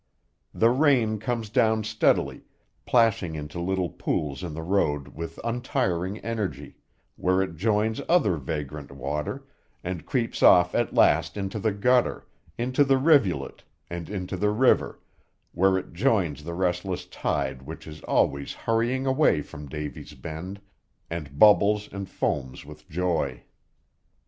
The rain comes down steadily, plashing into little pools in the road with untiring energy, where it joins other vagrant water, and creeps off at last into the gutter, into the rivulet, and into the river, where it joins the restless tide which is always hurrying away from Davy's Bend, and bubbles and foams with joy.